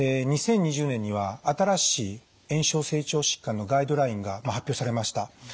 で２０２０年には新しい炎症性腸疾患のガイドラインが発表されました。